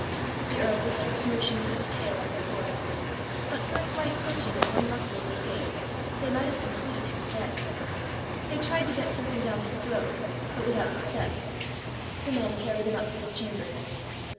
The earl was stretched motionless and pale on the floor. But for a slight twitching in one muscle of the face, they might have concluded him dead. They tried to get something down his throat, but without success. The men carried him up to his chamber.